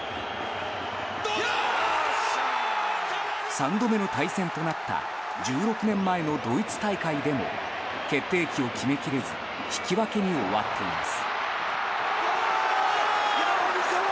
３度目の対戦となった１６年前のドイツ大会でも決定機を決めきれず引き分けに終わっています。